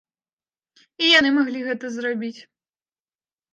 І яны маглі гэта зрабіць.